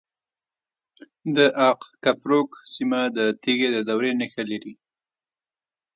د اق کپروک سیمه د تیږې د دورې نښې لري